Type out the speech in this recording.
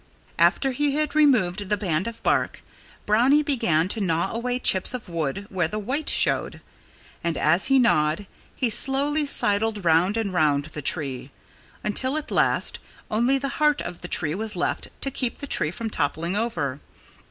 After he had removed the band of bark Brownie began to gnaw away chips of wood, where the white showed. And as he gnawed, he slowly sidled round and round the tree, until at last only the heart of the tree was left to keep the tree from toppling over.